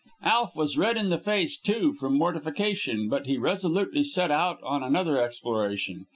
Alf was red in the face, too, from mortification; but he resolutely set out on another exploration.